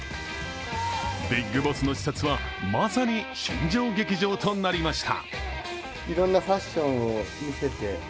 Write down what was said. ビッグボスの視察はまさに新庄劇場となりました。